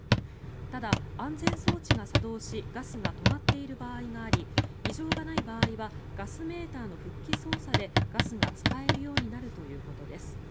ただ、安全装置が作動しガスが止まっている場合があり異常がない場合はガスメーターの復帰操作でガスが使えるようになるということです。